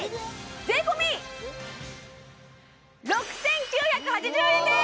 税込６９８０円です！